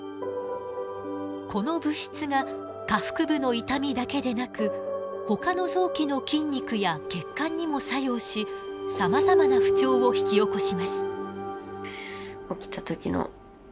この物質が下腹部の痛みだけでなくほかの臓器の筋肉や血管にも作用しさまざまな不調を引き起こします。